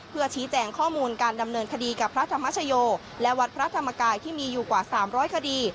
เพื่อชี้แจงข้อมูลการดำเนินคดีกับพระธรรมชโยและวัดพระธรรมกายที่มีอยู่กว่า๓๐๐คดี